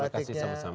terima kasih sama sama